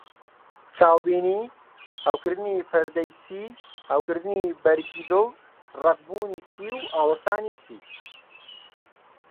چاوبینی: هەوکردنی پەردەی سی، هەوکردنی بەرگی دڵ، ڕەقبوونی سی و ئاوسانی سی.